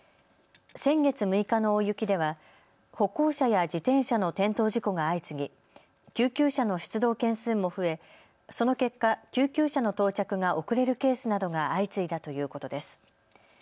先月６日の大雪では歩行者や自転車の転倒事故が相次ぎ、救急車の出動件数も増えその結果、救急車の到着が遅れるケースなどが相次いだということです。